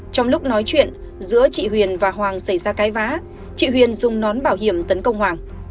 trong lúc nói chuyện giữa chị huyền và hoàng xảy ra cái vã chị huyền dùng nón bảo hiểm tấn công hoàng